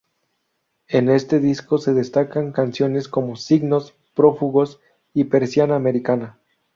En este disco se destacan canciones como ""Signos", "Prófugos" y "Persiana americana"".